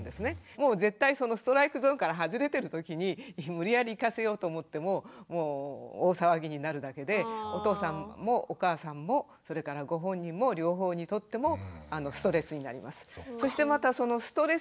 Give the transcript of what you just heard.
もう絶対そのストライクゾーンから外れてるときに無理やり行かせようと思っても大騒ぎになるだけでお父さんもお母さんもそれからご本人も両方にとってもストレスになります。